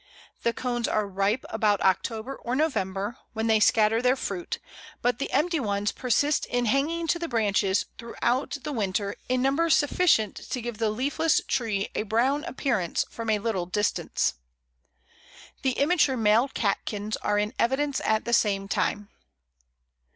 The cones are ripe about October or November, when they scatter their fruit, but the empty ones persist in hanging to the branches throughout the winter in numbers sufficient to give the leafless tree a brown appearance from a little distance. The immature male catkins are in evidence at the same time.